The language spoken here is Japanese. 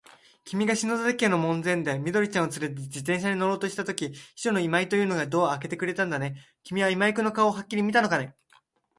きみが篠崎家の門前で、緑ちゃんをつれて自動車に乗ろうとしたとき、秘書の今井というのがドアをあけてくれたんだね。きみは今井君の顔をはっきり見たのかね。